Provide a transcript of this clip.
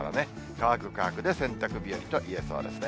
乾く、乾くで洗濯日和と言えそうですね。